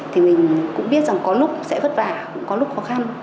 thì mình cũng biết rằng có lúc sẽ vất vả cũng có lúc khó khăn